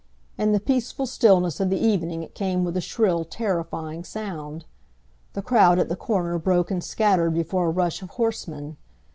In the peaceful stillness of the evening it came with a shrill, terrifying sound. The crowd at the corner broke and scattered before a rush of horsemen.